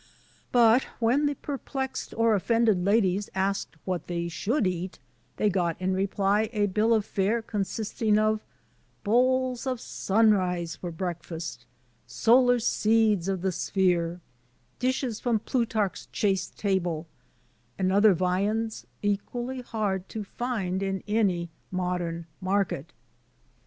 But, when the perplexed or offended ladies asked what they should eat, they got in reply a bill of fare consisting of "bowls of sunrise for break fast," "solar seeds of the sphere," "dishes from' Plutarch's chaste table," and other viands equally hard to find in any modem market.